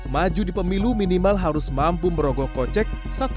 maju di pemilu minimal harus mampu merogokkan